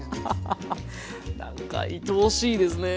アハハハなんかいとおしいですね